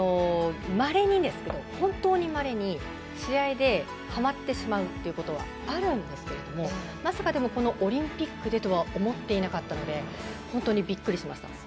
まれにですけど本当にまれに試合で、はまってしまうということはあるんですけれどもまさかでもこのオリンピックでとは思っていなかったので本当にびっくりしました。